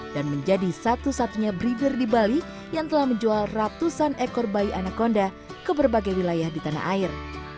dan menjadi satu satunya breeder di bali yang telah menjual ratusan ekor bayi anakonda ke berbagai wilayah di tanah air